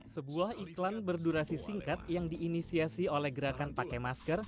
sebuah iklan berdurasi singkat yang diinisiasi oleh gerakan pakai masker